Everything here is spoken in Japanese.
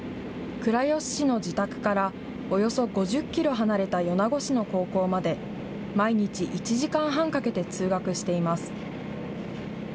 倉吉市の自宅からおよそ５０キロ離れた米子市の高校まで、毎日、１時間半かけて通学しています。